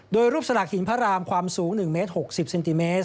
โดยรูปสลักหินพระรามความสูง๑เมตร๖๐เซนติเมตร